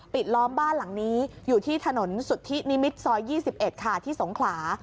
ล้อมบ้านหลังนี้อยู่ที่ถนนสุธินิมิตรซอย๒๑ค่ะที่สงขลา